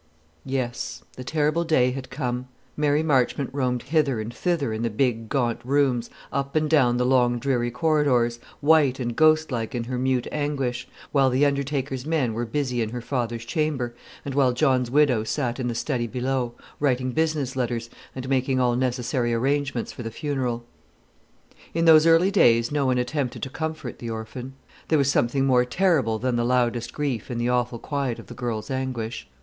Yes; the terrible day had come. Mary Marchmont roamed hither and thither in the big gaunt rooms, up and down the long dreary corridors, white and ghostlike in her mute anguish, while the undertaker's men were busy in her father's chamber, and while John's widow sat in the study below, writing business letters, and making all necessary arrangements for the funeral. In those early days no one attempted to comfort the orphan. There was something more terrible than the loudest grief in the awful quiet of the girl's anguish.